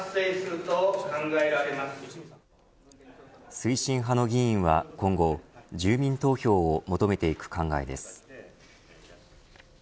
推進派の議員は今後住民投票を求めていく考えです。